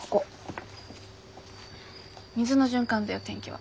水の循環だよ天気は。